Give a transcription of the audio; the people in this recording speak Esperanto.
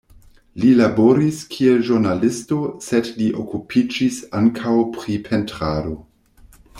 Li laboris, kiel ĵurnalisto, sed li okupiĝis ankaŭ pri pentrado.